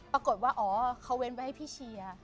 ปรากฏว่าอ๋อเขาเว้นไว้ให้พี่เชียร์